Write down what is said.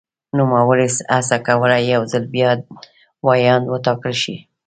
نوموړي هڅه کوله یو ځل بیا ویاند وټاکل شي.